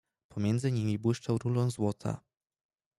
"Pomiędzy nimi błyszczał rulon złota."